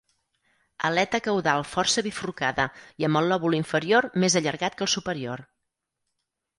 Aleta caudal força bifurcada i amb el lòbul inferior més allargat que el superior.